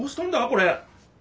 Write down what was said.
これ。